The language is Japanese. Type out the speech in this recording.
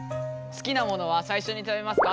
好きなものは最初に食べますか？